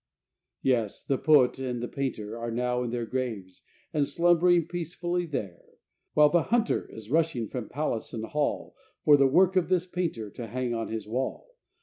Yes, the poet and painter are now in their graves, And slumbering peacefully there, While the "hunter" is rushing from palace and hall For the work of this painter to hang on his wall.